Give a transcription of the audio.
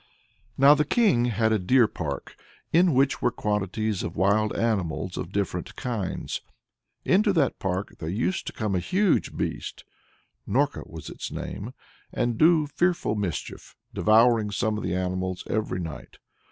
Now the King had a deer park in which were quantities of wild animals of different kinds. Into that park there used to come a huge beast Norka was its name and do fearful mischief, devouring some of the animals every night.